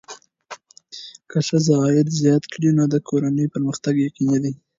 که ښځه عاید زیات کړي، نو د کورنۍ پرمختګ یقیني دی.